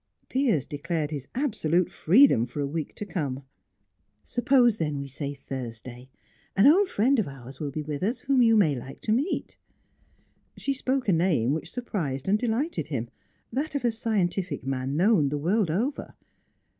Piers declared his absolute freedom for a week to come. "Suppose, then, we say Thursday? An old friend of ours will be with us, whom you may like to meet." She spoke a name which surprised and delighted him; that of a scientific man known the world over.